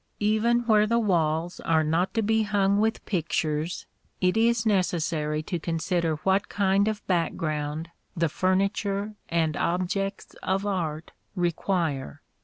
Even where the walls are not to be hung with pictures, it is necessary to consider what kind of background the furniture and objects of art require.